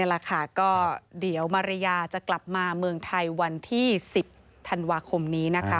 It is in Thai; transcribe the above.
แหละค่ะก็เดี๋ยวมาริยาจะกลับมาเมืองไทยวันที่๑๐ธันวาคมนี้นะคะ